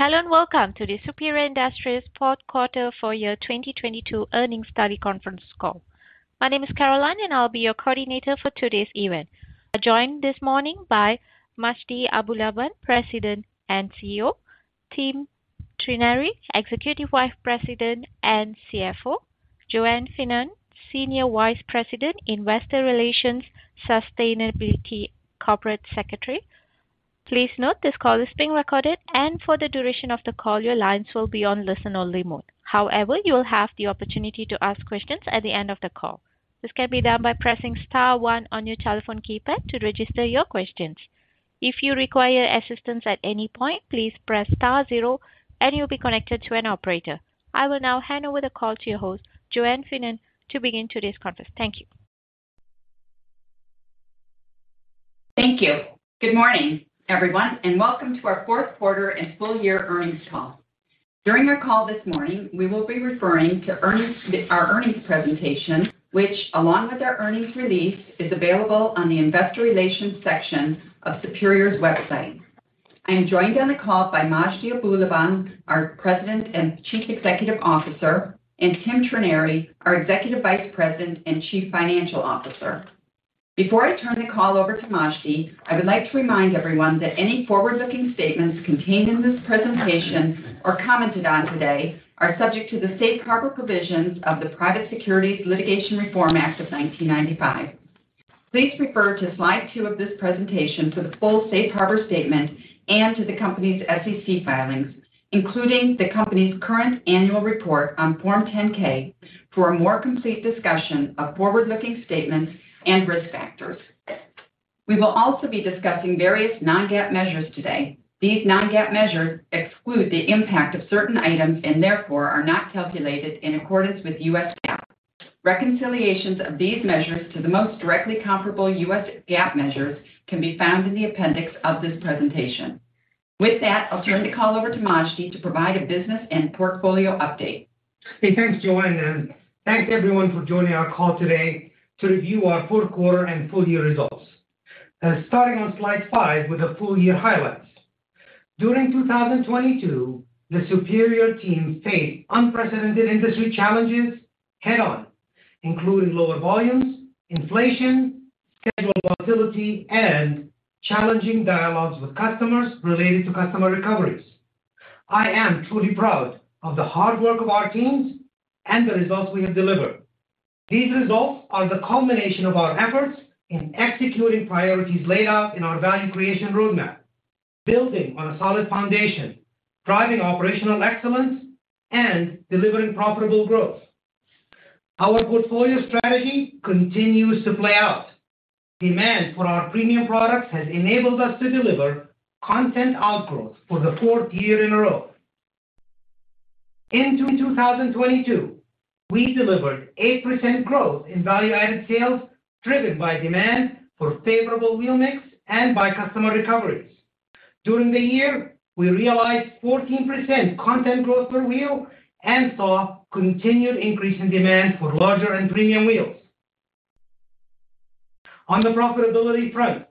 Hello, and welcome to the Superior Industries fourth quarter and full year 2022 earnings teleconference call. My name is Caroline, and I'll be your coordinator for today's event. Joined this morning by Majdi Abulaban, President and CEO, Tim Trenary, Executive Vice President and CFO, Joanne Finnorn, Senior Vice President, Investor Relations, Sustainability, Corporate Secretary. Please note this call is being recorded, and for the duration of the call, your lines will be on listen-only mode. However, you will have the opportunity to ask questions at the end of the call. This can be done by pressing star one on your telephone keypad to register your questions. If you require assistance at any point, please press star zero and you'll be connected to an operator. I will now hand over the call to your host, Joanne Finnorn, to begin today's conference. Thank you. Thank you. Good morning, everyone, and welcome to our fourth and full-year earnings call. During our call this morning, we will be referring to earnings, our earnings presentation, which, along with our earnings release, is available on the Investor Relations section of Superior's website. I am joined on the call by Majdi Abulaban, our President and Chief Executive Officer, and Tim Trenary, our Executive Vice President and Chief Financial Officer. Before I turn the call over to Majdi, I would like to remind everyone that any forward-looking statements contained in this presentation or commented on today are subject to the safe harbor provisions of the Private Securities Litigation Reform Act of 1995. Please refer to slide two of this presentation for the full safe harbor statement and to the company's SEC filings, including the company's current annual report on Form 10-K, for a more complete discussion of forward-looking statements and risk factors. We will also be discussing various non-GAAP measures today. These non-GAAP measures exclude the impact of certain items and therefore are not calculated in accordance with U.S. Reconciliations of these measures to the most directly comparable U.S. GAAP measures can be found in the appendix of this presentation. With that, I'll turn the call over to Majdi to provide a business and portfolio update. Hey, thanks, Joanne, and thanks, everyone for joining our call today to review our fourth quarter and full year results. Starting on slide five with the full year highlights. During 2022, the Superior team faced unprecedented industry challenges head on, including lower volumes, inflation, schedule volatility, and challenging dialogues with customers related to customer recoveries. I am truly proud of the hard work of our teams and the results we have delivered. These results are the culmination of our efforts in executing priorities laid out in our value creation roadmap, building on a solid foundation, driving operational excellence, and delivering profitable growth. Our portfolio strategy continues to play out. Demand for our premium products has enabled us to deliver content outgrowth for the fourth year in a row. In 2022, we delivered 8% growth in Value-Added Sales driven by demand for favorable wheel mix and by customer recoveries. During the year, we realized 14% content growth per wheel and saw continued increase in demand for larger and premium wheels. On the profitability front,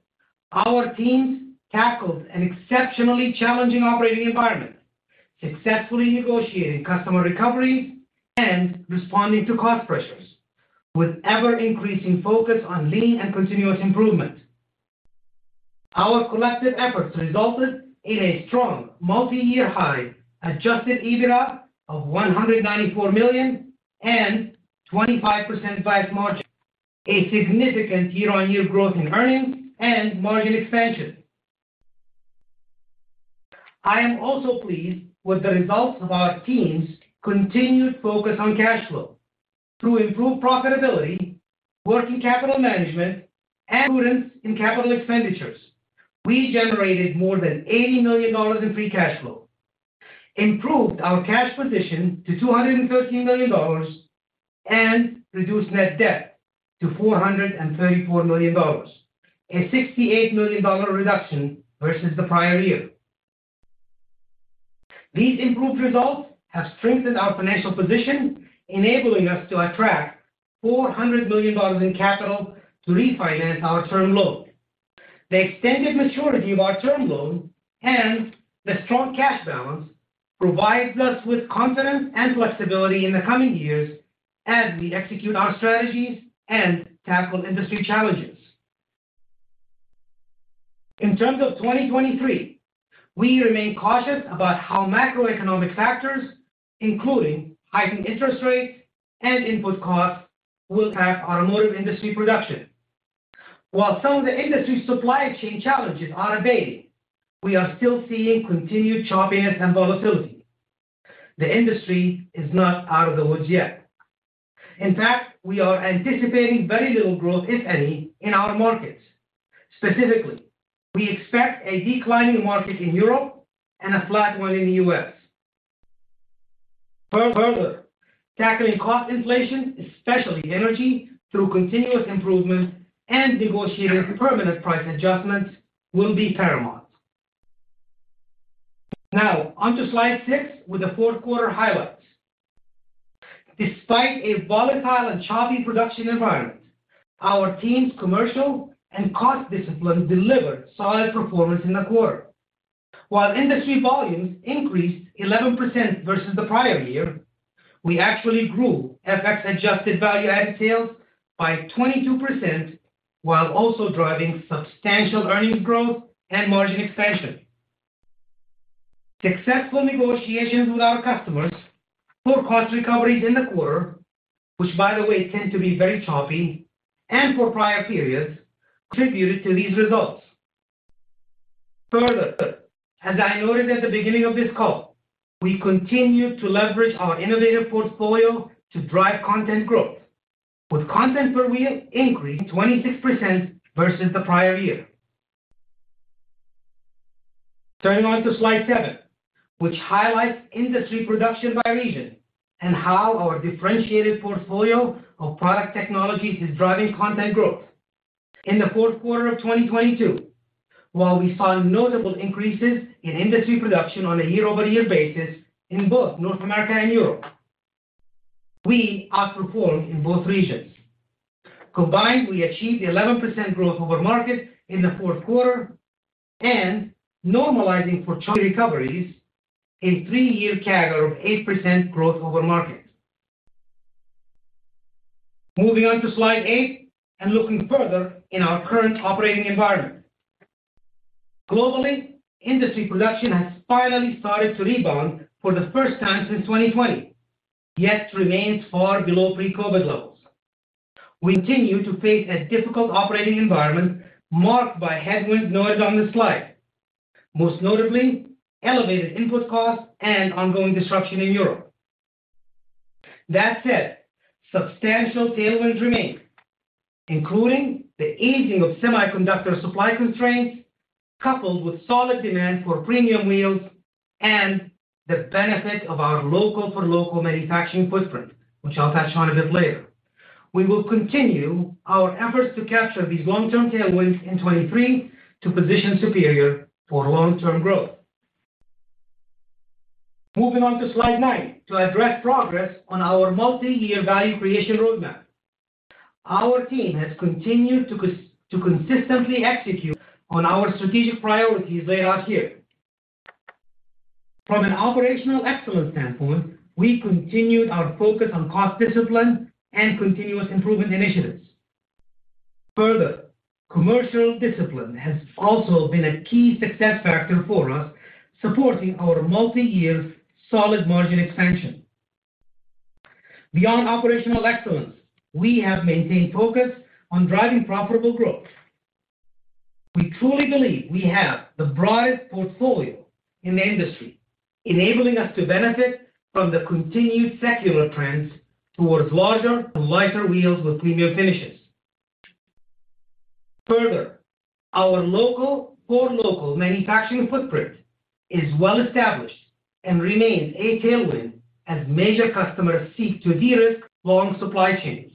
our teams tackled an exceptionally challenging operating environment, successfully negotiating customer recoveries and responding to cost pressures with ever-increasing focus on lean and continuous improvement. Our collective efforts resulted in a strong multi-year high Adjusted EBITDA of $194 million and 25.5% margin, a significant year-on-year growth in earnings, and margin expansion. I am also pleased with the results of our team's continued focus on cash flow. To improve profitability, working capital management, and prudence in capital expenditures, we generated more than $80 million in Free Cash Flow, improved our cash position to $213 million, and reduced net debt to $434 million, a $68 million reduction versus the prior year. These improved results have strengthened our financial position, enabling us to attract $400 million in capital to refinance our term loan. The extended maturity of our term loan and the strong cash balance provides us with confidence and flexibility in the coming years as we execute our strategies and tackle industry challenges. In terms of 2023, we remain cautious about how macroeconomic factors, including heightened interest rates and input costs, will impact automotive industry production. While some of the industry supply chain challenges are abating, we are still seeing continued choppiness and volatility. The industry is not out of the woods yet. In fact, we are anticipating very little growth, if any, in our markets. Specifically, we expect a declining market in Europe and a flat one in the U.S. Tackling cost inflation, especially energy, through continuous improvement and negotiating permanent price adjustments will be paramount. On to slide six with the fourth quarter highlights. Despite a volatile and choppy production environment, our team's commercial and cost discipline delivered solid performance in the quarter. While industry volumes increased 11% versus the prior year, we actually grew FX-adjusted Value-Added Sales by 22% while also driving substantial earnings growth and margin expansion. Successful negotiations with our customers for cost recoveries in the quarter, which, by the way, tend to be very choppy, and for prior periods, contributed to these results. As I noted at the beginning of this call, we continued to leverage our innovative portfolio to drive content growth, with Content per Wheel increasing 26% versus the prior year. Turning on to slide seven, which highlights industry production by region and how our differentiated portfolio of product technologies is driving content growth. In the fourth quarter of 2022, while we saw notable increases in industry production on a year-over-year basis in both North America and Europe, we outperformed in both regions. Combined, we achieved 11% growth over market in the fourth quarter and, normalizing for recovery, a three-year CAGR of 8% growth over market. Moving on to slide eight and looking further in our current operating environment. Globally, industry production has finally started to rebound for the first time since 2020, yet remains far below pre-COVID levels. We continue to face a difficult operating environment marked by headwinds noted on the slide, most notably elevated input costs and ongoing disruption in Europe. That said, substantial tailwinds remain, including the easing of semiconductor supply constraints, coupled with solid demand for premium wheels and the benefit of our local for local manufacturing footprint, which I'll touch on a bit later. We will continue our efforts to capture these long-term tailwinds in 2023 to position Superior for long-term growth. Moving on to slide nine to address progress on our multi-year value creation roadmap. Our team has continued to consistently execute on our strategic priorities laid out here. From an operational excellence standpoint, we continued our focus on cost discipline and continuous improvement initiatives. Further, commercial discipline has also been a key success factor for us, supporting our multi-year solid margin expansion. Beyond operational excellence, we have maintained focus on driving profitable growth. We truly believe we have the broadest portfolio in the industry, enabling us to benefit from the continued secular trends towards larger and lighter wheels with premium finishes. Our local for local manufacturing footprint is well established and remains a tailwind as major customers seek to de-risk long supply chains.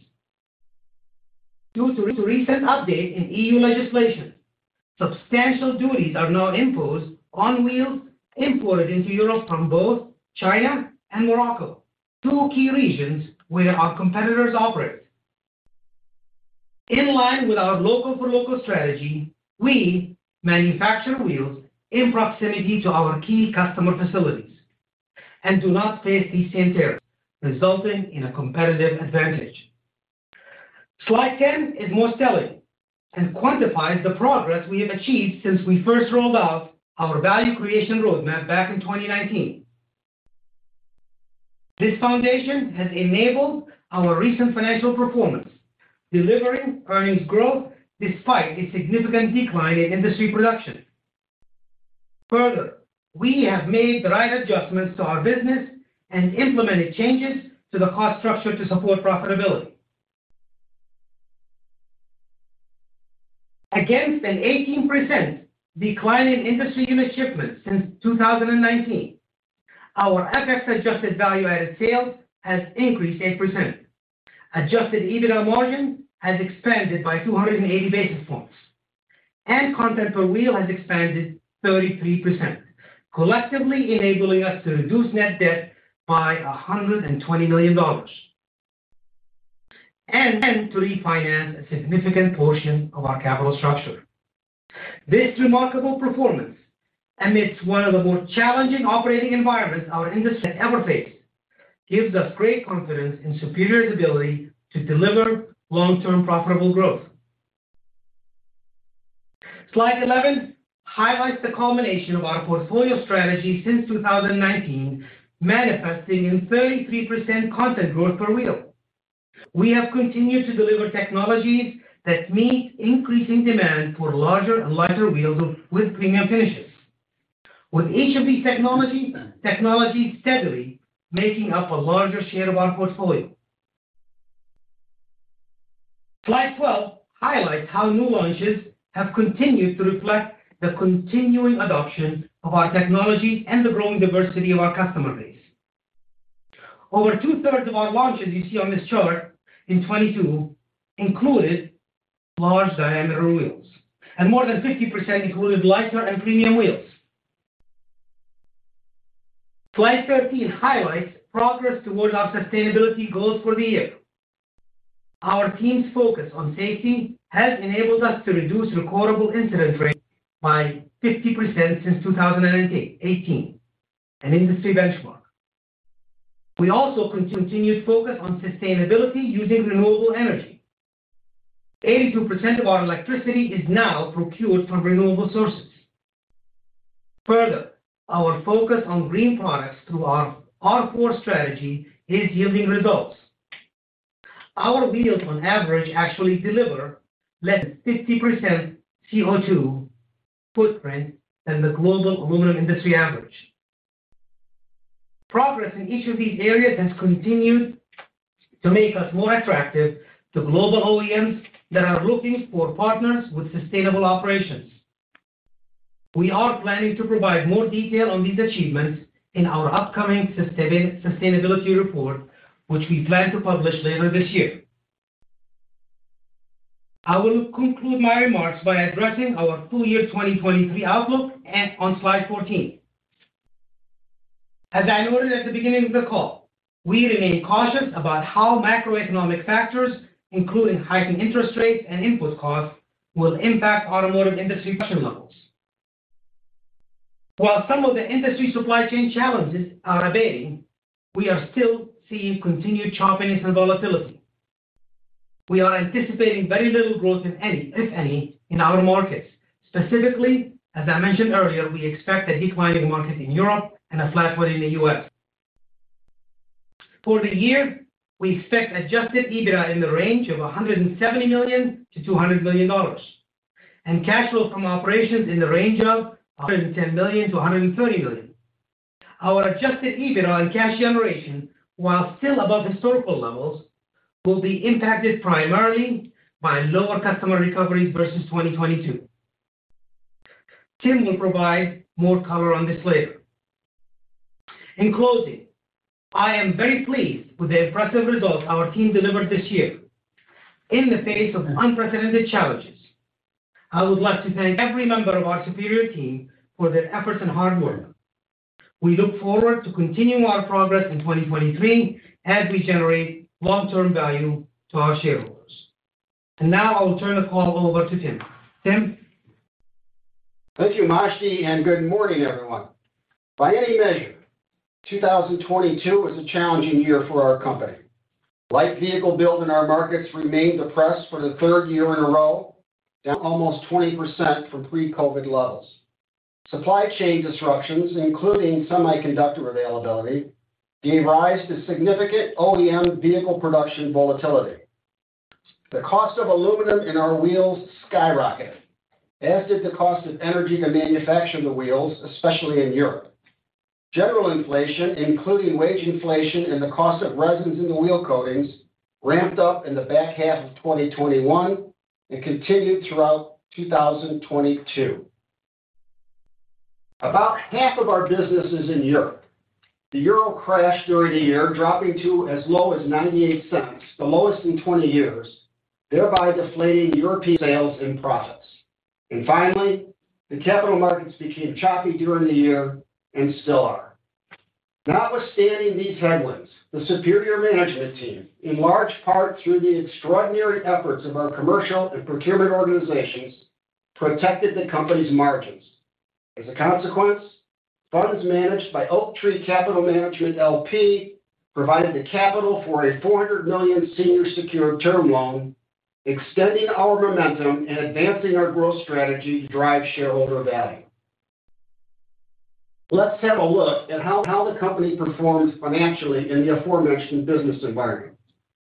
Due to recent update in EU legislation, substantial duties are now imposed on wheels imported into Europe from both China and Morocco, two key regions where our competitors operate. In line with our local for local strategy, we manufacture wheels in proximity to our key customer facilities and do not face these same tariffs, resulting in a competitive advantage. Slide 10 is more telling and quantifies the progress we have achieved since we first rolled out our value creation roadmap back in 2019. We have made the right adjustments to our business and implemented changes to the cost structure to support profitability. Against an 18% decline in industry unit shipments since 2019, our FX-adjusted Value-Added Sales has increased 8%. Adjusted EBITDA margin has expanded by 280 basis points, and Content per Wheel has expanded 33%, collectively enabling us to reduce net debt by $120 million and to refinance a significant portion of our capital structure. This remarkable performance amidst one of the more challenging operating environments our industry has ever faced gives us great confidence in Superior's ability to deliver long-term profitable growth. Slide 11 highlights the culmination of our portfolio strategy since 2019, manifesting in 33% content growth per wheel. We have continued to deliver technologies that meet increasing demand for larger and lighter wheels with premium finishes. With each of these technologies steadily making up a larger share of our portfolio. Slide 12 highlights how new launches have continued to reflect the continuing adoption of our technologies and the growing diversity of our customer base. Over 2/3 of our launches you see on this chart in 2022 included large diameter wheels, and more than 50% included lighter and premium wheels. Slide 13 highlights progress toward our sustainability goals for the year. Our team's focus on safety has enabled us to reduce recordable incident rate by 50% since 2018, an industry benchmark. We also continued focus on sustainability using renewable energy. 82% of our electricity is now procured from renewable sources. Our focus on green products through our R4 strategy is yielding results. Our wheels on average, actually deliver less than 50% CO2 footprint than the global aluminum industry average. Progress in each of these areas has continued to make us more attractive to global OEMs that are looking for partners with sustainable operations. We are planning to provide more detail on these achievements in our upcoming sustainability report, which we plan to publish later this year. I will conclude my remarks by addressing our full year 2023 outlook on slide 14. As I noted at the beginning of the call, we remain cautious about how macroeconomic factors, including heightened interest rates and input costs, will impact automotive industry production levels. While some of the industry supply chain challenges are abating, we are still seeing continued choppiness and volatility. We are anticipating very little growth, if any, in our markets. Specifically, as I mentioned earlier, we expect a declining market in Europe and a flat one in the U.S. For the year, we expect Adjusted EBITDA in the range of $170 million-$200 million, and cash flow from operations in the range of $110 million-$130 million. Our Adjusted EBITDA on cash generation, while still above historical levels, will be impacted primarily by lower customer recoveries versus 2022. Tim will provide more color on this later. In closing, I am very pleased with the impressive results our team delivered this year in the face of unprecedented challenges. I would like to thank every member of our Superior team for their efforts and hard work. We look forward to continuing our progress in 2023 as we generate long-term value to our shareholders. Now, I will turn the call over to Tim. Tim? Thank you, Majdi, and good morning, everyone. By any measure, 2022 was a challenging year for our company. Light vehicle build in our markets remained depressed for the third year in a row, down almost 20% from pre-COVID levels. Supply chain disruptions, including semiconductor availability, gave rise to significant OEM vehicle production volatility. The cost of aluminum in our wheels skyrocketed, as did the cost of energy to manufacture the wheels, especially in Europe. General inflation, including wage inflation and the cost of resins in the wheel coatings, ramped up in the back half of 2021 and continued throughout 2022. About half of our business is in Europe. The euro crashed during the year, dropping to as low as $0.98, the lowest in 20 years, thereby deflating European sales and profits. Finally, the capital markets became choppy during the year and still are. Notwithstanding these headwinds, the Superior management team, in large part through the extraordinary efforts of our commercial and procurement organizations, protected the company's margins. As a consequence, funds managed by Oaktree Capital Management, L.P., provided the capital for a $400 million senior secured term loan, extending our momentum and advancing our growth strategy to drive shareholder value. Let's have a look at how the company performs financially in the aforementioned business environment.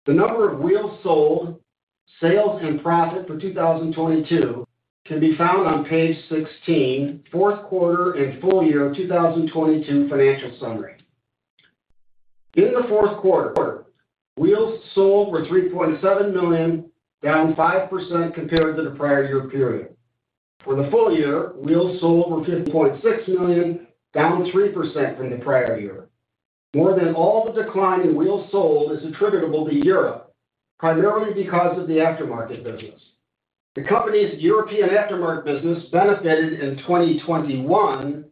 The number of wheels sold, sales, and profit for 2022 can be found on page 16, fourth quarter and full year 2022 financial summary. In the fourth quarter, wheels sold were 3.7 million, down 5% compared to the prior year period. For the full year, wheels sold were $15.6 million, down 3% from the prior year. More than all the decline in wheels sold is attributable to Europe, primarily because of the aftermarket business. The company's European aftermarket business benefited in 2021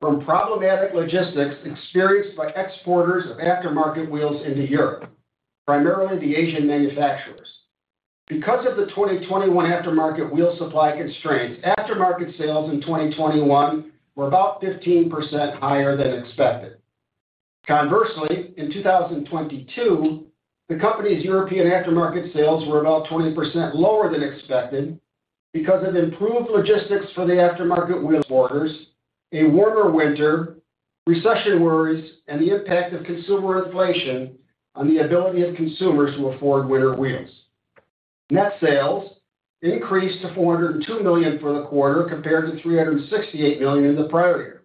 from problematic logistics experienced by exporters of aftermarket wheels into Europe, primarily the Asian manufacturers. Because of the 2021 aftermarket wheel supply constraints, aftermarket sales in 2021 were about 15% higher than expected. Conversely, in 2022, the company's European aftermarket sales were about 20% lower than expected because of improved logistics for the aftermarket wheel orders, a warmer winter, recession worries, and the impact of consumer inflation on the ability of consumers to afford winter wheels. Net sales increased to $402 million for the quarter compared to $368 million in the prior year.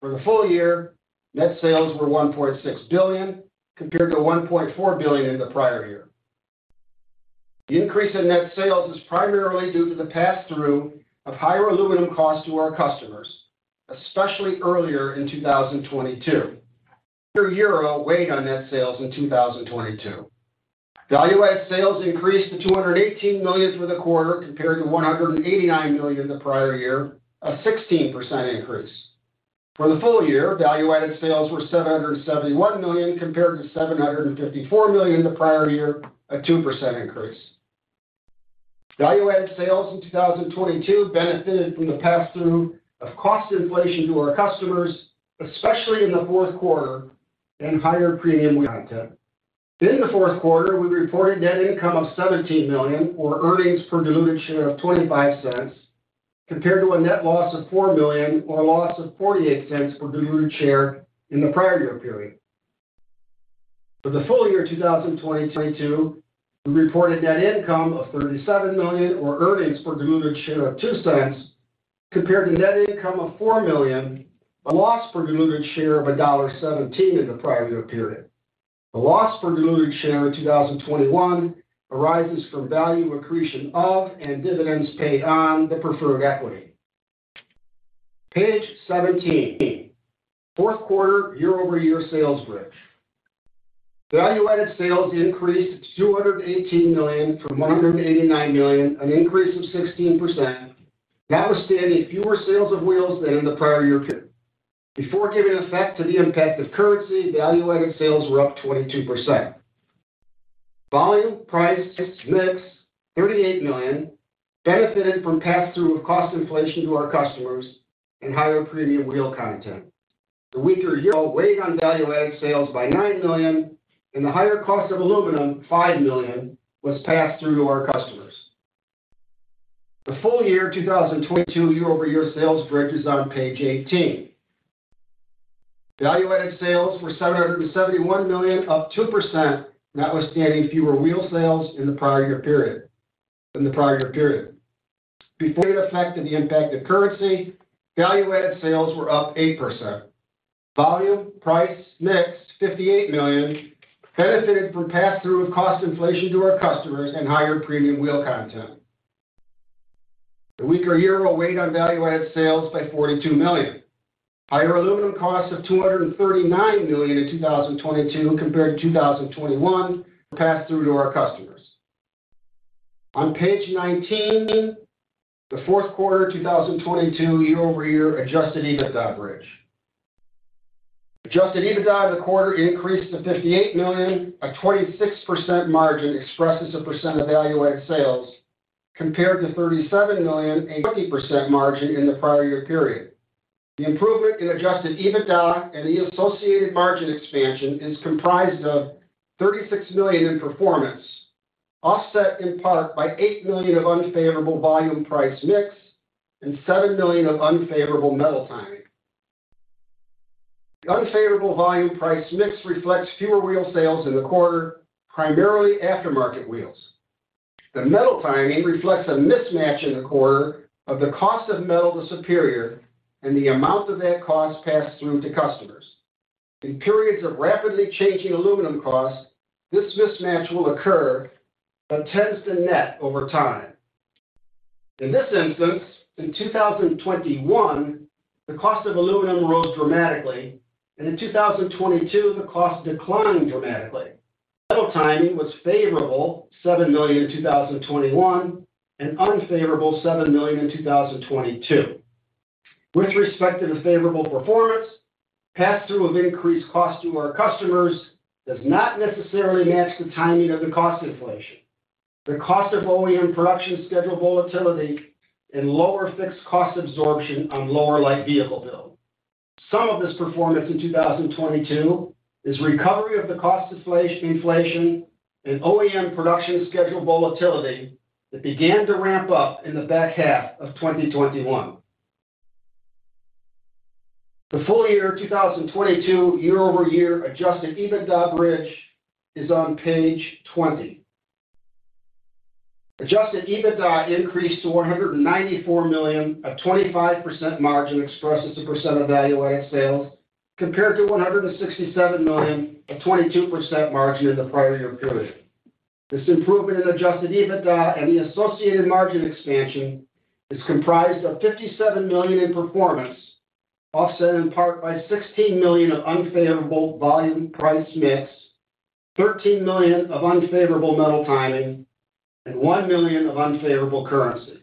For the full year, net sales were $1.6 billion, compared to $1.4 billion in the prior year. The increase in net sales is primarily due to the pass-through of higher aluminum costs to our customers, especially earlier in 2022. A weaker euro weighed on net sales in 2022. Value-Added Sales increased to $218 million for the quarter compared to $189 million the prior year, a 16% increase. For the full year, Value-Added Sales were $771 million compared to $754 million the prior year, a 2% increase. Value-Added Sales in 2022 benefited from the pass-through of cost inflation to our customers, especially in the fourth quarter in higher premium content. In the fourth quarter, we reported net income of $17 million, or earnings per diluted share of $0.25, compared to a net loss of $4 million, or a loss of $0.48 per diluted share in the prior year period. For the full year 2022, we reported net income of $37 million, or earnings per diluted share of $0.02, compared to net income of $4 million, a loss per diluted share of $1.17 in the prior year period. The loss per diluted share in 2021 arises from value accretion of and dividends paid on the preferred equity. Page 17. Fourth quarter year-over-year sales bridge. Value-Added Sales increased to $218 million from $189 million, an increase of 16%, notwithstanding fewer sales of wheels than in the prior year period. Before giving effect to the impact of currency, Value-Added Sales were up 22%. Volume price mix, $38 million, benefited from passthrough of cost inflation to our customers and higher premium wheel content. The weaker euro weighed on Value-Added Sales by $9 million, and the higher cost of aluminum, $5 million, was passed through to our customers. The full year 2022 year-over-year sales bridge is on page 18. Value-Added Sales were $771 million, up 2%, notwithstanding fewer wheel sales in the prior year period. Before giving effect to the impact of currency, Value-Added Sales were up 8%. Volume price mix, $58 million, benefited from passthrough of cost inflation to our customers and higher premium wheel content. The weaker euro weighed on Value-Added Sales by $42 million. Higher aluminum costs of $239 million in 2022 compared to 2021 were passed through to our customers. On page 19, the fourth quarter 2022 year-over-year Adjusted EBITDA bridge. Adjusted EBITDA of the quarter increased to $58 million, a 26% margin expresses a percent of Value-Added Sales compared to $37 million, a 20% margin in the prior year period. The improvement in Adjusted EBITDA and the associated margin expansion is comprised of $36 million in performance, offset in part by $8 million of unfavorable volume price mix and $7 million of unfavorable metal timing. The unfavorable volume price mix reflects fewer wheel sales in the quarter, primarily aftermarket wheels. The metal timing reflects a mismatch in the quarter of the cost of metal to Superior and the amount of that cost passed through to customers. In periods of rapidly changing aluminum costs, this mismatch will occur but tends to net over time. In this instance, in 2021, the cost of aluminum rose dramatically, and in 2022, the cost declined dramatically. Metal timing was favorable, $7 million in 2021, and unfavorable, $7 million in 2022. With respect to the favorable performance, passthrough of increased cost to our customers does not necessarily match the timing of the cost inflation. The cost of OEM production schedule volatility and lower fixed cost absorption on lower light vehicle build. Some of this performance in 2022 is recovery of the cost inflation and OEM production schedule volatility that began to ramp up in the back half of 2021. The full year 2022 year-over-year Adjusted EBITDA bridge is on page 20. Adjusted EBITDA increased to $194 million, a 25% margin expresses a percent of Value-Added Sales, compared to $167 million, a 22% margin in the prior year period. This improvement in Adjusted EBITDA and the associated margin expansion is comprised of $57 million in performance, offset in part by $16 million of unfavorable volume price mix, $13 million of unfavorable metal timing, and $1 million of unfavorable currency.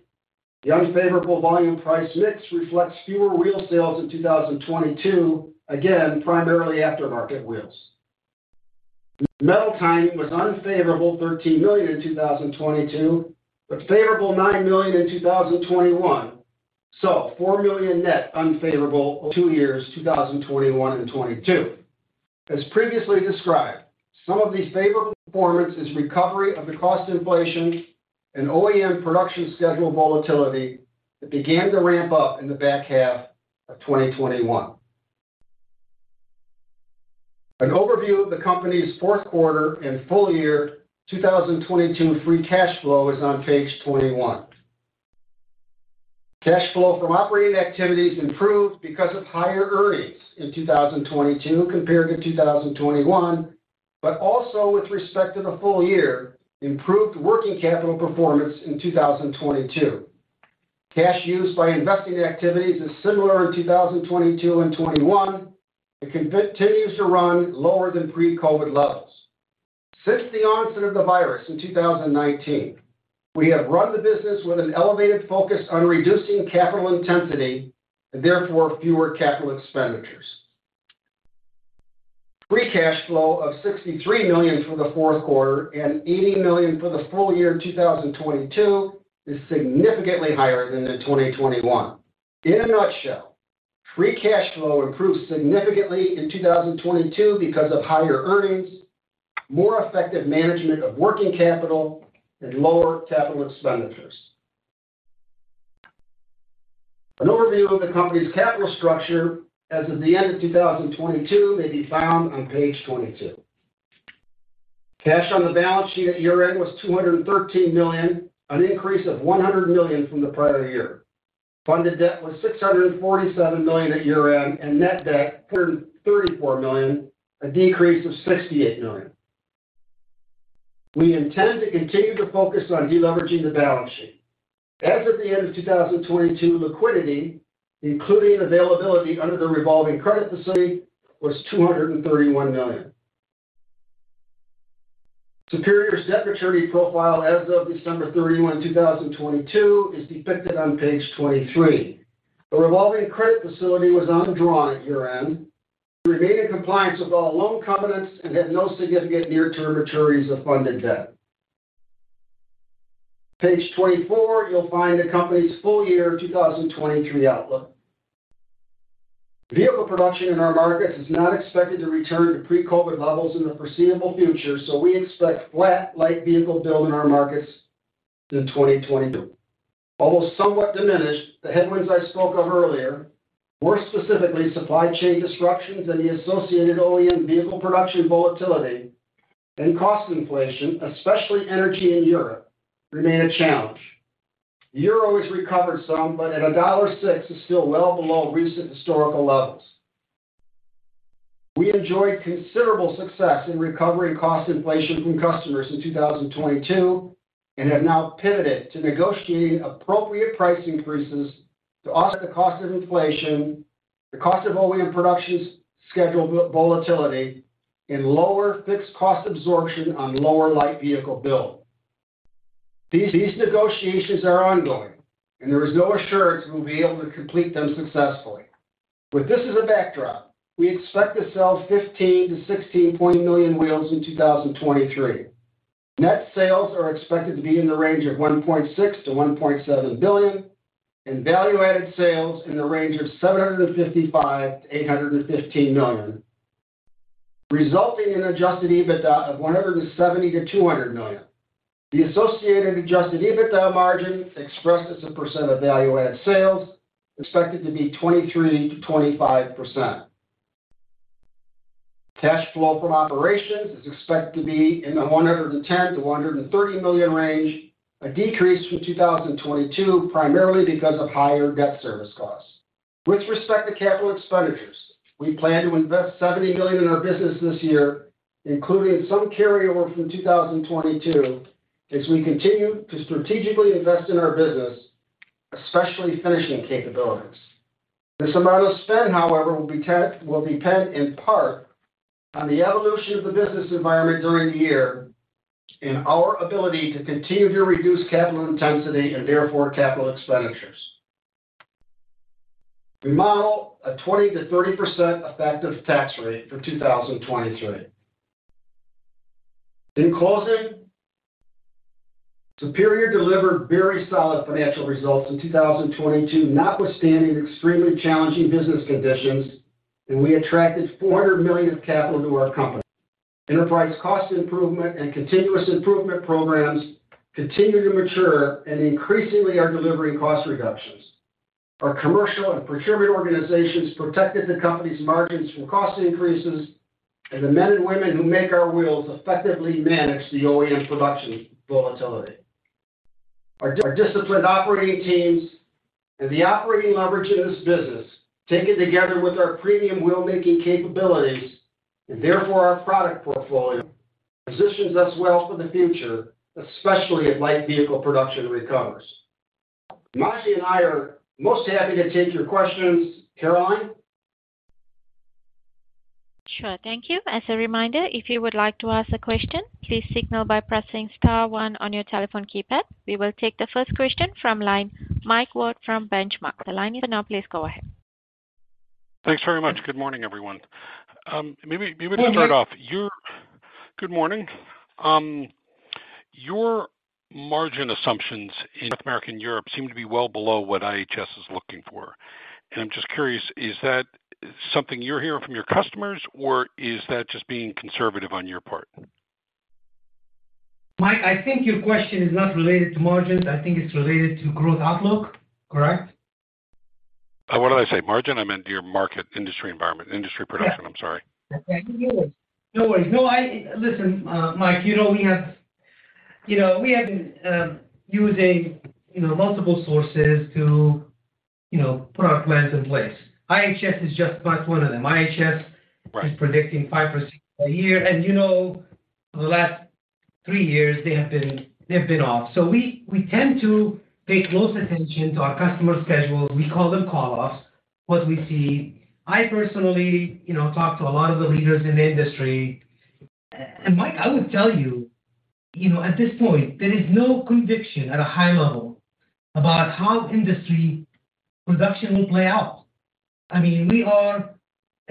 The unfavorable volume price mix reflects fewer wheel sales in 2022, again, primarily aftermarket wheels. Metal timing was unfavorable, $13 million in 2022, but favorable $9 million in 2021. 4 million net unfavorable over two years, 2021 and 2022. As previously described, some of these favorable performance is recovery of the cost inflation and OEM production schedule volatility that began to ramp up in the back half of 2021. An overview of the company's fourth quarter and full year 2022 Free Cash Flow is on page 21. Cash flow from operating activities improved because of higher earnings in 2022 compared to 2021, but also with respect to the full year, improved working capital performance in 2022. Cash use by investing activities is similar in 2022 and 2021, and continues to run lower than pre-COVID levels. Since the onset of the virus in 2019, we have run the business with an elevated focus on reducing capital intensity and, therefore fewer capital expenditures. Free Cash Flow of $63 million for the fourth quarter and $80 million for the full year 2022 is significantly higher than in 2021. In a nutshell, Free Cash Flow improved significantly in 2022 because of higher earnings, more effective management of working capital, and lower capital expenditures. An overview of the company's capital structure as of the end of 2022 may be found on page 22. Cash on the balance sheet at year-end was $213 million, an increase of $100 million from the prior year. Funded debt was $647 million at year-end, and net debt $134 million, a decrease of $68 million. We intend to continue to focus on deleveraging the balance sheet. As of the end of 2022, liquidity, including availability under the revolving credit facility, was $231 million. Superior's debt maturity profile as of December 31, 2022, is depicted on page 23. The revolving credit facility was undrawn at year-end. We remained in compliance with all loan covenants and had no significant near-term maturities of funded debt. Page 24, you'll find the company's full year 2023 outlook. Vehicle production in our markets is not expected to return to pre-COVID levels in the foreseeable future, so we expect flat light vehicle build in our markets in 2022. Almost somewhat diminished, the headwinds I spoke of earlier, more specifically, supply chain disruptions and the associated OEM vehicle production volatility and cost inflation, especially energy in Europe, remain a challenge. The euro has recovered some, but at $1.06 is still well below recent historical levels. We enjoyed considerable success in recovering cost inflation from customers in 2022, and have now pivoted to negotiating appropriate price increases to offset the cost of inflation, the cost of OEM production schedule volatility, and lower fixed cost absorption on lower light vehicle build. These negotiations are ongoing, and there is no assurance we'll be able to complete them successfully. With this as a backdrop, we expect to sell 15 million-16 million wheels in 2023. Net sales are expected to be in the range of $1.6 billion-$1.7 billion, and Value-Added Sales in the range of $755 million-$815 million, resulting in Adjusted EBITDA of $170 million-$200 million. The associated Adjusted EBITDA margin expressed as a percent of Value-Added Sales expected to be 23%-25%. Cash flow from operations is expected to be in the $110 million-$130 million range, a decrease from 2022 primarily because of higher debt service costs. With respect to capital expenditures, we plan to invest $70 Million in our business this year, including some carryover from 2022, as we continue to strategically invest in our business, especially finishing capabilities. This amount of spend, however, will depend in part on the evolution of the business environment during the year and our ability to continue to reduce capital intensity and therefore capital expenditures. We model a 20%-30% effective tax rate for 2023. In closing, Superior delivered very solid financial results in 2022, notwithstanding extremely challenging business conditions. We attracted $400 million of capital to our company. Enterprise cost improvement and continuous improvement programs continue to mature and increasingly are delivering cost reductions. Our commercial and procurement organizations protected the company's margins from cost increases. The men and women who make our wheels effectively managed the OEM production volatility. Our disciplined operating teams and the operating leverage of this business, taken together with our premium wheel-making capabilities and therefore our product portfolio positions us well for the future, especially if light vehicle production recovers. Majdi and I are most happy to take your questions. Caroline? Sure. Thank you. As a reminder, if you would like to ask a question, please signal by pressing star one on your telephone keypad. We will take the first question from line Mike Ward from Benchmark. The line is now open. Please go ahead. Thanks very much. Good morning, everyone. maybe. Good morning. Good morning. Your margin assumptions in North America and Europe seem to be well below what IHS is looking for. I'm just curious, is that something you're hearing from your customers, or is that just being conservative on your part? Mike, I think your question is not related to margins. I think it's related to growth outlook, correct? What did I say? Margin? I meant your market industry environment, industry production. Yeah. I'm sorry. Okay. No worries. No, Listen, Mike, you know, we have, you know, been using, you know, multiple sources to you know, put our plans in place. IHS is just but one of them. Right. IHS is predicting 5% a year. You know, the last three years they've been off. We tend to pay close attention to our customer schedules. We call them call offs. What we see. I personally, you know, talk to a lot of the leaders in the industry. Mike, I would tell you know, at this point, there is no conviction at a high level about how industry production will play out. I mean, we are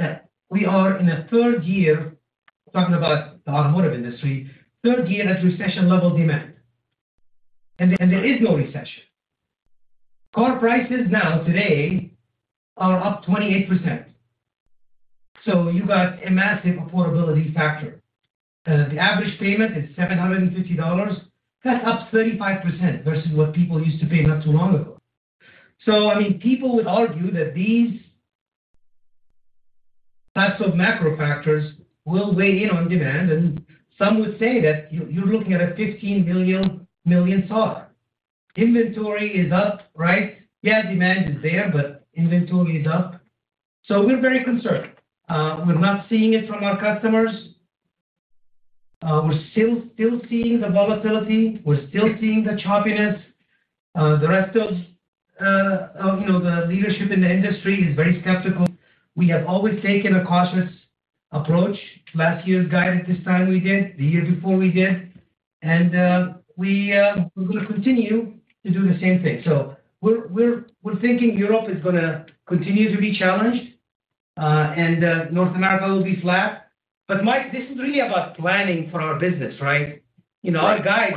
in a third year, talking about the automotive industry, third year at recession level demand. There is no recession. Car prices now, today, are up 28%. You got a massive affordability factor. The average payment is $750. That's up 35% versus what people used to pay not too long ago. I mean, people would argue that these types of macro factors will weigh in on demand, and some would say that you're looking at a $15 million SAAR. Inventory is up, right? Yeah, demand is there, but inventory is up. We're very concerned. We're not seeing it from our customers. We're still seeing the volatility. We're still seeing the choppiness. The rest of, you know, the leadership in the industry is very skeptical. We have always taken a cautious approach. Last year's guidance, this time we did. The year before we did. We're gonna continue to do the same thing. We're thinking Europe is gonna continue to be challenged, and North America will be flat. Mike, this is really about planning for our business, right? You know, our guide.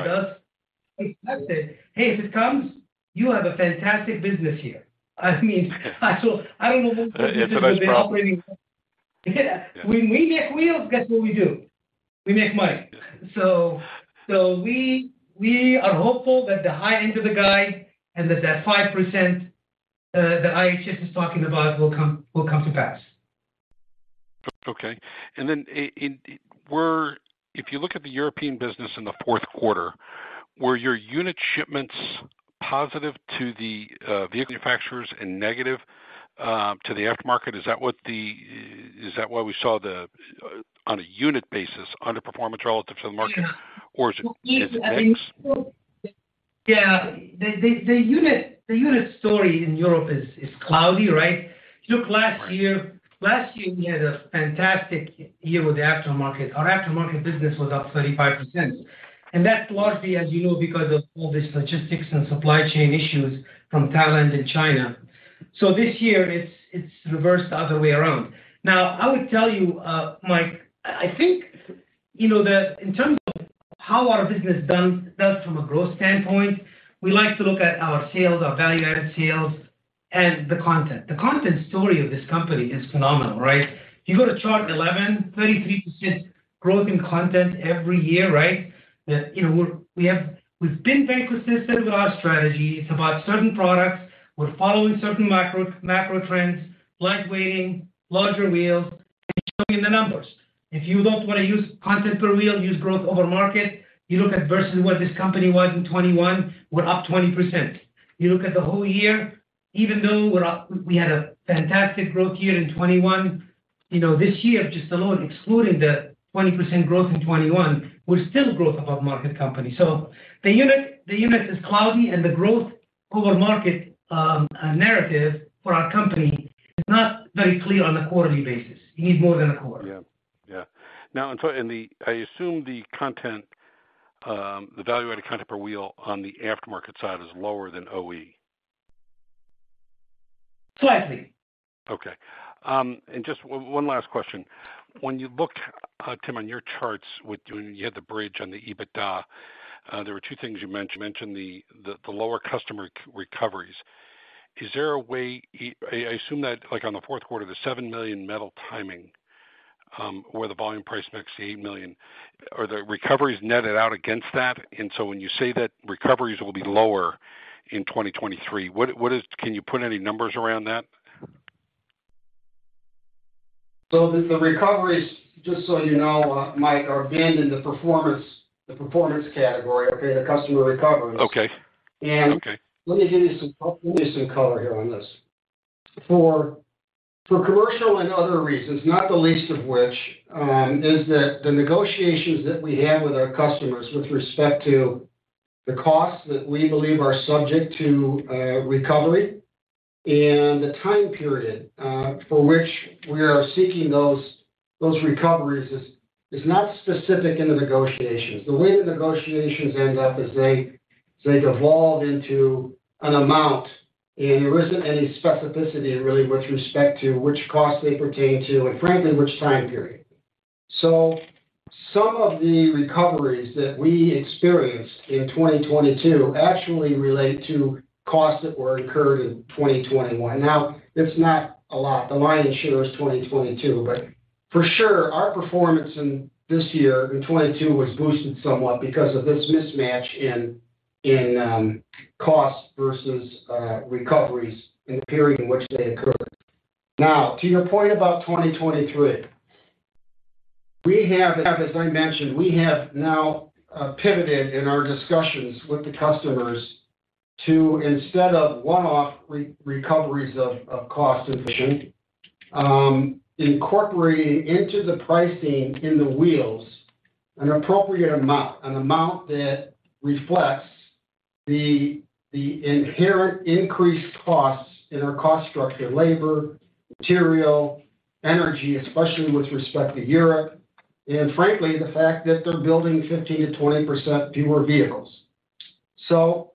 Expect it. Hey, if it comes, you have a fantastic business here. I mean, I don't know- It's a nice problem. When we make wheels, guess what we do? We make money. We are hopeful that the high end of the guide and that that 5% that IHS is talking about will come to pass. Okay. Then if you look at the European business in the fourth quarter, were your unit shipments positive to the vehicle manufacturers and negative to the aftermarket? Is that why we saw the on a unit basis, underperformance relative to the market? Yeah. Is it a mix? Yeah. The unit story in Europe is cloudy, right? If you look, last year we had a fantastic year with the aftermarket. Our aftermarket business was up 35%. That's largely, as you know, because of all the logistics and supply chain issues from Thailand and China. This year it's reversed the other way around. Now, I would tell you, Mike, I think, you know, in terms of how our business does from a growth standpoint, we like to look at our sales, our Value-Added Sales, and the content. The content story of this company is phenomenal, right? If you go to chart 11, 33% growth in content every year, right? You know, we've been very consistent with our strategy. It's about certain products. We're following certain macro trends, light weighting, larger wheels. It's showing in the numbers. If you don't wanna use Content per Wheel, use growth over market, you look at versus where this company was in 2021, we're up 20%. You look at the whole year, even though we had a fantastic growth year in 2021, you know, this year just alone, excluding the 20% growth in 2021, we're still a growth above market company. The unit is cloudy and the growth over market narrative for our company is not very clear on a quarterly basis. You need more than a quarter. Yeah. Now, I assume the content, the value-added content per wheel on the aftermarket side is lower than OE. Slightly. Okay. Just one last question. When you look, Tim, on your charts when you had the bridge on the EBITDA, there were two things you mentioned. You mentioned the lower customer recoveries. Is there a way... I assume that, like on the fourth quarter, the $7 million metal timing, or the volume price mix, the $8 million. Are the recoveries netted out against that? When you say that recoveries will be lower in 2023, what is... Can you put any numbers around that? The recoveries, just so you know, Mike, are banned in the performance category, okay? The customer recoveries. Okay. And- Okay. Let me give you some color here on this. For commercial and other reasons, not the least of which, is that the negotiations that we have with our customers with respect to the costs that we believe are subject to recovery and the time period for which we are seeking those recoveries is not specific in the negotiations. The way the negotiations end up is they devolve into an amount, and there isn't any specificity in really with respect to which cost they pertain to and frankly, which time period. Some of the recoveries that we experienced in 2022 actually relate to costs that were incurred in 2021. Now, it's not a lot. The lion's share is 2022, but for sure, our performance in this year, in 2022, was boosted somewhat because of this mismatch in costs versus recoveries and the period in which they occurred. To your point about 2023. We have, as I mentioned, now pivoted in our discussions with the customers to instead of one-off re-recoveries of cost inflation, incorporating into the pricing in the wheels an appropriate amount, an amount that reflects the inherent increased costs in our cost structure, labor, material, energy, especially with respect to Europe, and frankly, the fact that they're building 15%-20% fewer vehicles. Those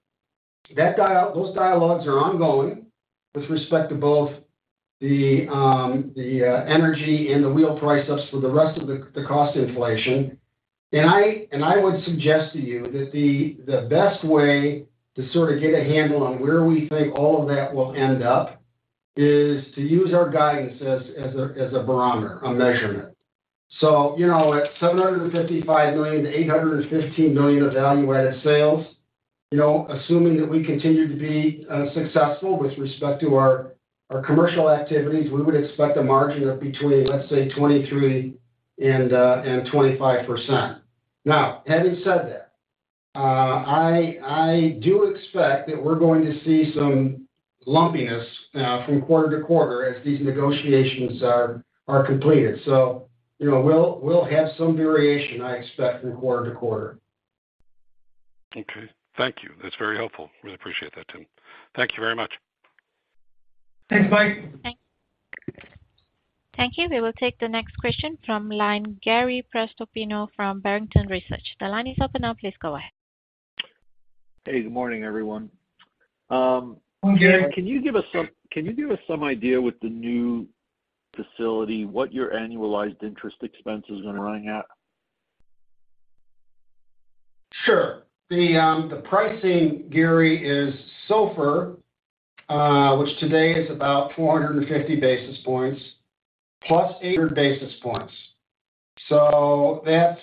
dialogues are ongoing with respect to both the energy and the wheel price ups for the rest of the cost inflation. I would suggest to you that the best way to sort of get a handle on where we think all of that will end up is to use our guidance as a barometer, a measurement. You know, at $755 million-$815 million of Value-Added Sales, you know, assuming that we continue to be successful with respect to our commercial activities, we would expect a margin of between, let's say, 23% and 25%. Having said that, I do expect that we're going to see some lumpiness from quarter to quarter as these negotiations are completed. You know, we'll have some variation, I expect from quarter to quarter. Okay. Thank you. That's very helpful. Really appreciate that, Tim. Thank you very much. Thanks, Mike. Thank you. We will take the next question from line, Gary Prestopino from Barrington Research. The line is open now. Please go ahead. Hey, good morning, everyone. Morning, Gary. Can you give us some idea with the new facility, what your annualized interest expense is going to run at? Sure. The pricing, Gary, is SOFR, which today is about 450 basis points plus 800 basis points. That's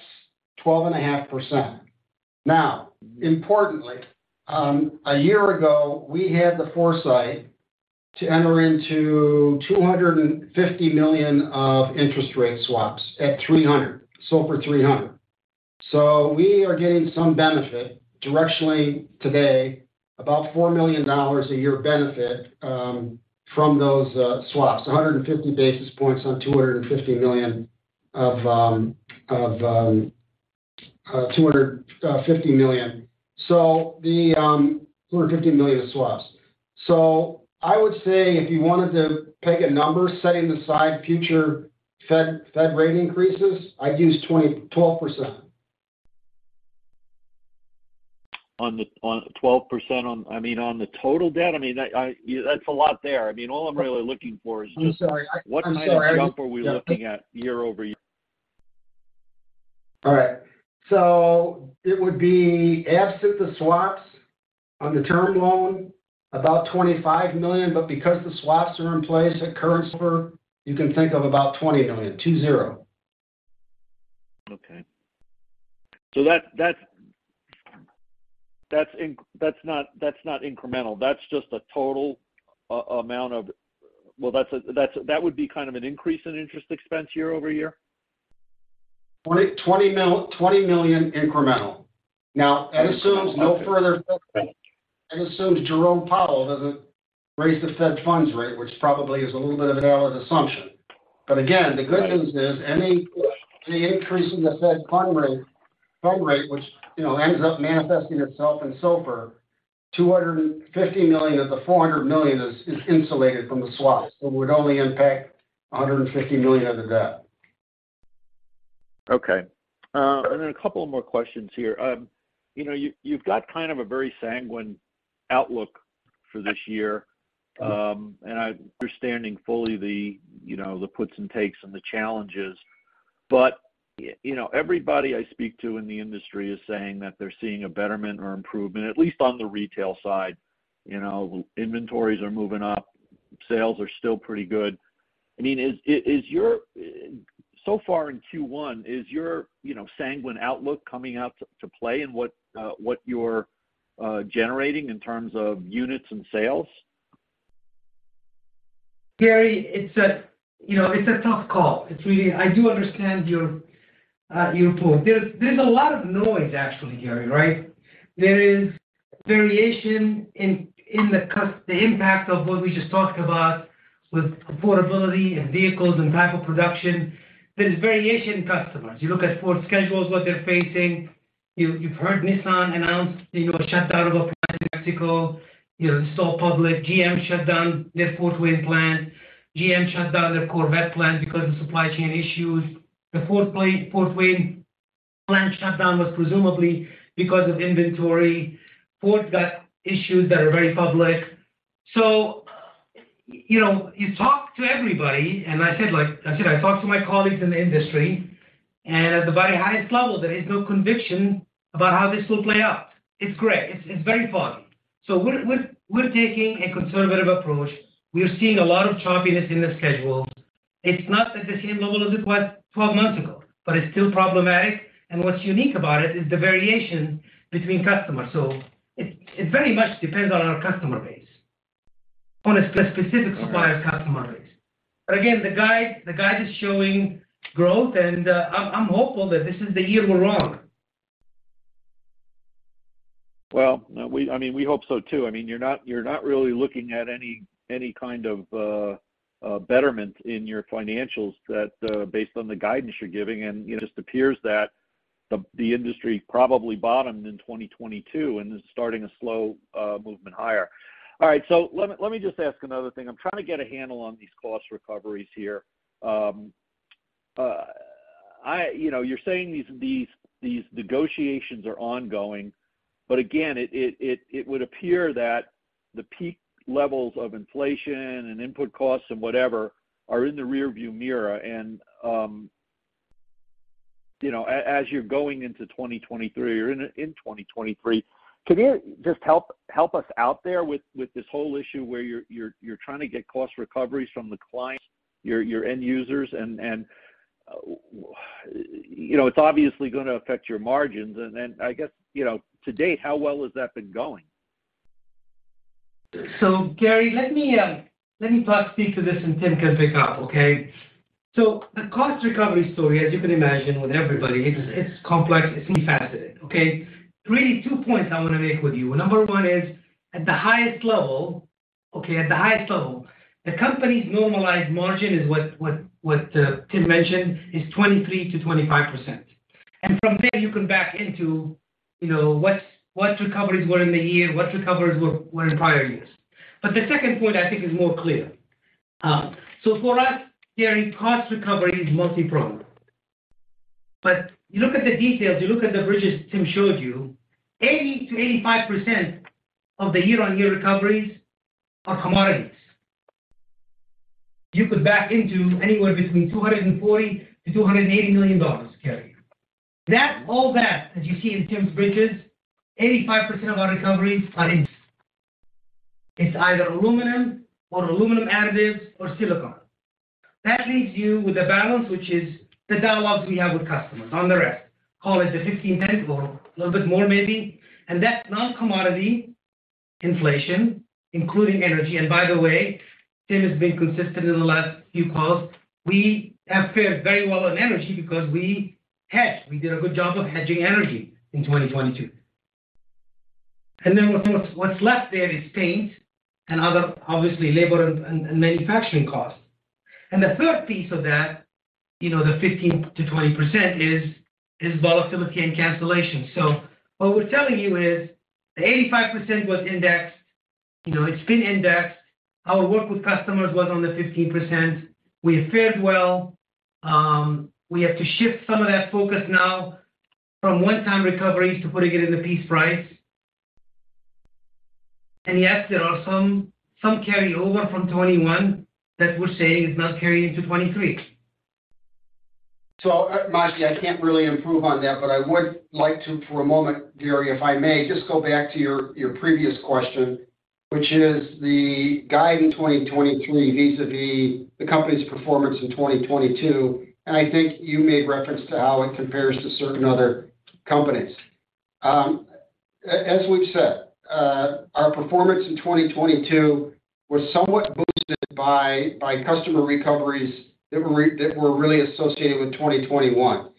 12.5%. Now, importantly, a year ago, we had the foresight to enter into $250 million of interest rate swaps at 300, SOFR 300. We are getting some benefit directionally today, about $4 million a year benefit from those swaps, 150 basis points on $250 million. The $250 million of swaps. I would say if you wanted to pick a number, setting aside future Fed rate increases, I'd use 12%. On 12% on, I mean, on the total debt? I mean, I... That's a lot there. I mean, all I'm really looking for is. I'm sorry. I'm sorry. What kind of jump are we looking at year-over-year? All right. It would be absent the swaps on the term loan, about $25 million, but because the swaps are in place at current SOFR, you can think of about $20 million. Okay. That's not incremental. That's just a total amount of. Well, that's a kind of an increase in interest expense year-over-year? 20 million incremental. That assumes no further. That assumes Jerome Powell doesn't raise the Fed funds rate, which probably is a little bit of a valid assumption. Again, the good news is any increase in the Fed fund rate, which, you know, ends up manifesting itself in SOFR, $250 million of the $400 million is insulated from the swaps. It would only impact $150 million of the debt. Okay. A couple more questions here. You know, you've got kind of a very sanguine outlook for this year. I'm understanding fully the, you know, the puts and takes and the challenges. You know, everybody I speak to in the industry is saying that they're seeing a betterment or improvement, at least on the retail side. You know, inventories are moving up, sales are still pretty good. I mean, so far in Q1, is your, you know, sanguine outlook coming out to play in what you're generating in terms of units and sales? Gary, it's a, you know, it's a tough call. It's really. I do understand your point. There's, there's a lot of noise actually, Gary, right? There is variation in the impact of what we just talked about with affordability and vehicles and type of production. There is variation in customers. You look at Ford schedules, what they're facing. You've heard Nissan announce, you know, a shutdown of a plant in Mexico, you know, it's all public. GM shut down their Fort Wayne plant. GM shut down their Corvette plant because of supply chain issues. The Fort Wayne plant shutdown was presumably because of inventory. Ford got issues that are very public. You know, you talk to everybody, and I said, like I said, I talk to my colleagues in the industry, and at the very highest level, there is no conviction about how this will play out. It's gray. It's very foggy. We're taking a conservative approach. We are seeing a lot of choppiness in the schedules. It's not at the same level as it was 12 months ago, but it's still problematic. What's unique about it is the variation between customers. It very much depends on our customer base. On a specific supplier commodities. Again, the guide is showing growth and, I'm hopeful that this is the year we're on. Well, no, I mean, we hope so, too. I mean, you're not really looking at any kind of betterment in your financials that based on the guidance you're giving. It just appears that the industry probably bottomed in 2022 and is starting a slow movement higher. All right, let me just ask another thing. I'm trying to get a handle on these cost recoveries here. You know, you're saying these negotiations are ongoing. Again, it would appear that the peak levels of inflation and input costs and whatever are in the rear view mirror. You know, as you're going into 2023 or in 2023, can you just help us out there with this whole issue where you're trying to get cost recoveries from the client, your end users and, you know, it's obviously gonna affect your margins? I guess, you know, to date, how well has that been going? Gary, let me speak to this, and Tim can pick up, okay. The cost recovery story, as you can imagine with everybody, it's complex, it's multi-faceted. Okay. Really two points I wanna make with you. Number 1 is at the highest level, okay, at the highest level, the company's normalized margin is what Tim mentioned, is 23%-25%. From there you can back into, you know, what recoveries were in the year, what recoveries were in prior years. The second point I think is more clear. For us, Gary, cost recovery is multi-pronged. You look at the details, you look at the bridges Tim showed you, 80%-85% of the year-on-year recoveries are commodities. You could back into anywhere between $240 million-$280 million, Gary Prestopino. That, all that, as you see in Tim Trenary's bridges, 85% of our recoveries are in... It's either aluminum or aluminum additives or silicone. That leaves you with a balance, which is the dialogues we have with customers on the rest. Call it the 15, 10, or a little bit more maybe. That's non-commodity inflation, including energy. By the way, Tim Trenary has been consistent in the last few calls. We have fared very well on energy because we hedged. We did a good job of hedging energy in 2022. Then what's left there is paint and other, obviously labor and manufacturing costs. The third piece of that, you know, the 15%-20% is volatility and cancellation. What we're telling you is the 85% was indexed. You know, it's been indexed. Our work with customers was on the 15%. We have fared well. We have to shift some of that focus now from one-time recoveries to putting it in the piece price. Yes, there is some carryover from 2021 that we're saying is not carrying into 2023. Majdi, I can't really improve on that, but I would like to for a moment, Gary, if I may just go back to your previous question, which is the guide in 2023 vis-à-vis the company's performance in 2022. I think you made reference to how it compares to certain other companies. As we've said, our performance in 2022 was somewhat boosted by customer recoveries that were really associated with 2021.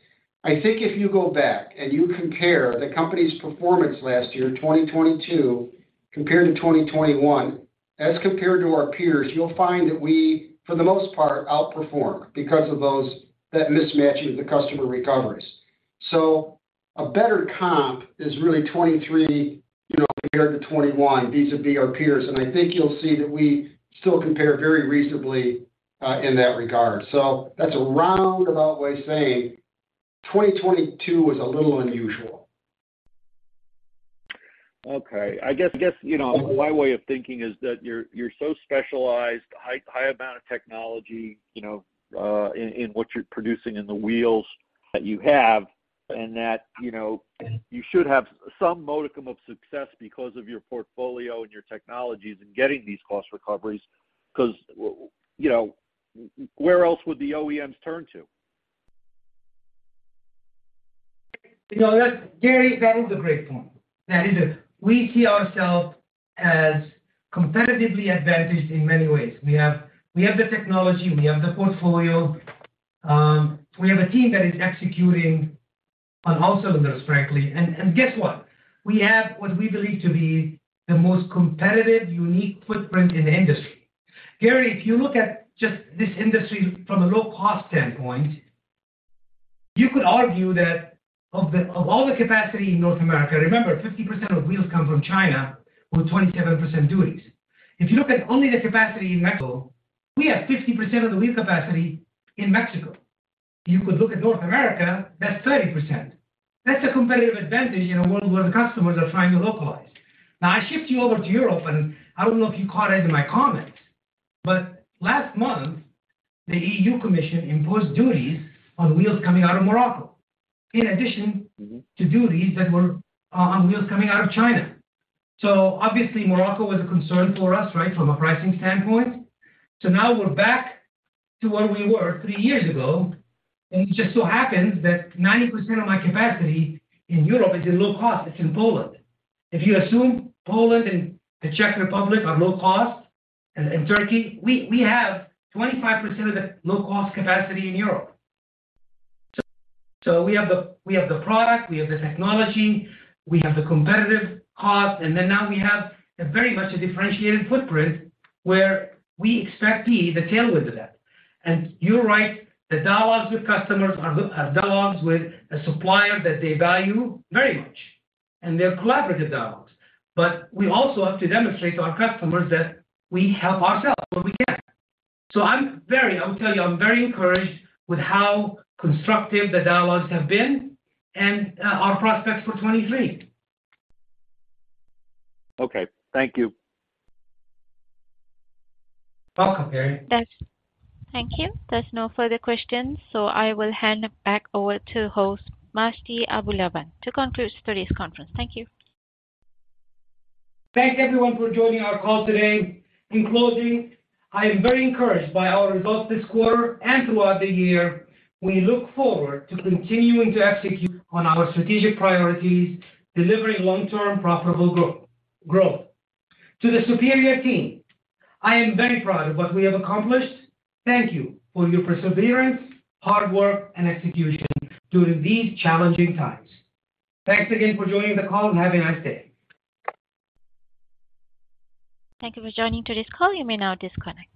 I think if you go back and you compare the company's performance last year, 2022 compared to 2021, as compared to our peers, you'll find that we, for the most part, outperformed because of that mismatch of the customer recoveries. A better comp is really 2023, you know, compared to 2021 vis-à-vis our peers. I think you'll see that we still compare very reasonably, in that regard. That's a roundabout way of saying 2022 was a little unusual. Okay. I guess, you know, my way of thinking is that you're so specialized, high amount of technology, you know, in what you're producing in the wheels that you have and that, you know, you should have some modicum of success because of your portfolio and your technologies in getting these cost recoveries. Because, you know, where else would the OEMs turn to? You know, that's Gary, that is a great point. That is it. We see ourselves as competitively advantaged in many ways. We have, we have the technology, we have the portfolio, we have a team that is executing on all cylinders, frankly. Guess what? We have what we believe to be the most competitive, unique footprint in the industry. Gary, if you look at just this industry from a low cost standpoint, you could argue that of all the capacity in North America, remember 50% of wheels come from China with 27% duties. If you look at only the capacity in Mexico, we have 50% of the wheel capacity in Mexico. You could look at North America, that's 30%. That's a competitive advantage in a world where the customers are trying to localize. I shift you over to Europe, and I don't know if you caught any of my comments, but last month, the European Commission imposed duties on wheels coming out of Morocco, in addition to duties that were on wheels coming out of China. Obviously, Morocco was a concern for us, right, from a pricing standpoint. Now, we're back to where we were three years ago, and it just so happens that 90% of my capacity in Europe is in low cost. It's in Poland. If you assume Poland and the Czech Republic are low-cost, and Turkey, we have 25% of the low-cost capacity in Europe. We have the product, we have the technology, we have the competitive cost, and then now we have a very much a differentiated footprint where we expect to be the tailwind to that. You're right, the dialogues with customers are dialogues with a supplier that they value very much, and they're collaborative dialogues. We also have to demonstrate to our customers that we help ourselves where we can. I'll tell you, I'm very encouraged with how constructive the dialogues have been and our prospects for 2023. Okay. Thank you. You're welcome, Gary. Thanks. Thank you. There's no further questions. I will hand back over to host, Majdi Abulaban, to conclude today's conference. Thank you. Thank everyone for joining our call today. In closing, I am very encouraged by our results this quarter and throughout the year. We look forward to continuing to execute on our strategic priorities, delivering long-term profitable growth. To the Superior team, I am very proud of what we have accomplished. Thank you for your perseverance, hard work, and execution during these challenging times. Thanks again for joining the call. Have a nice day. Thank you for joining today's call. You may now disconnect.